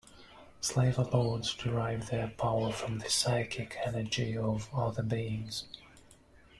"Slaver Lords" derive their power from the psychic energy of other beings.